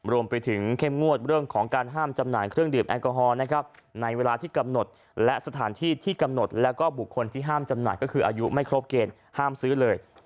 รวมไปถึงเข้มงวดเรื่องของการห้ามจำหน่ายเครื่องดื่มแอลกอฮอล์นะครับในเวลาที่กำหนดและสถานที่ที่กำหนดแล้วก็บุคคลที่ห้ามจำหน่ายก็คืออายุไม่ครบเกณฑ์ห้ามซื้อเลย